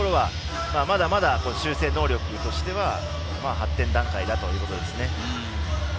まだまだ成長としては発展段階だということです。